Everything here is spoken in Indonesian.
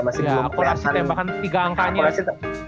ya apelasi tembakan tiga angkanya